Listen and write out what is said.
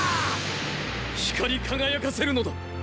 光り輝かせるのだ！